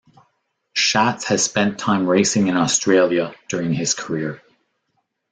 Schatz has spent time racing in Australia during his career.